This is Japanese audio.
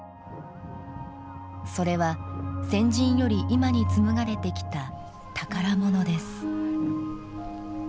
それは先人より今に紡がれてきた宝物です。